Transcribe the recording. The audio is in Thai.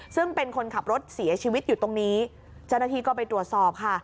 ซึ่งเป็นคนขับรถเสียชีวิตอยู่ตรงนี้เจ้าหน้าที่ก็ไปตรวจสอบค่ะ